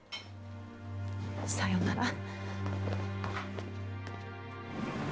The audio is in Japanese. さようなら。